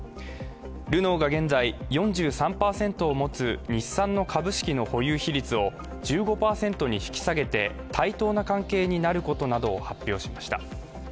ルノーが現在、４３％をもつ日産の株式の保有比率を１５％に引き下げて対等な関係になることなどを発表しました。